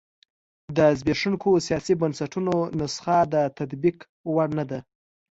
د زبېښونکو سیاسي بنسټونو نسخه د تطبیق وړ نه وه.